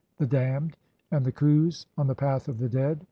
e., the damned) and the "A7n.s on the path of the dead